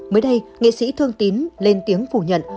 mới đây nghệ sĩ thương tín lên tiếng phủ nhận